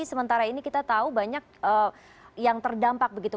sementara ini kita tahu banyak yang terdampak begitu